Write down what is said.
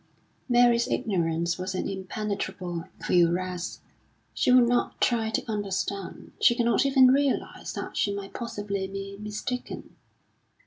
Mary's ignorance was an impenetrable cuirass; she would not try to understand, she could not even realise that she might possibly be mistaken.